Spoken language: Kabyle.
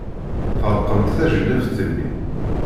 Tɣelqemt tajellabt-nni.